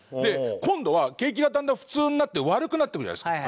今度は景気がだんだん普通になって悪くなってくるじゃないですか。